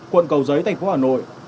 quận cầu giấy tp hà nội